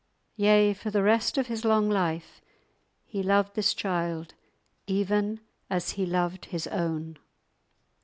Yea, for the rest of his long life he loved this child even as he loved his own.